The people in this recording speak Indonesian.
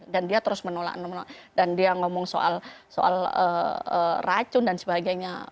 dan dia terus menolak dan dia ngomong soal racun dan sebagainya